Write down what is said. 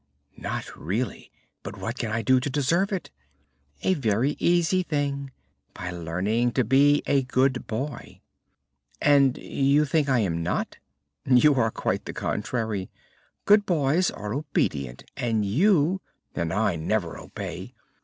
"Not really? And what can I do to deserve it?" "A very easy thing: by learning to be a good boy." "And you think I am not?" "You are quite the contrary. Good boys are obedient, and you " "And I never obey."